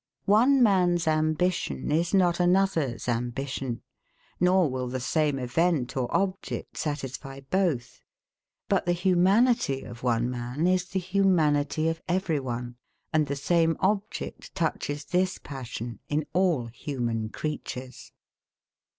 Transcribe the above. One man's ambition is not another's ambition, nor will the same event or object satisfy both; but the humanity of one man is the humanity of every one, and the same object touches this passion in all human creatures.